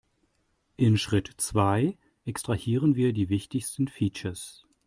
In Schritt zwei extrahieren wir die wichtigsten Features.